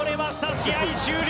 試合終了！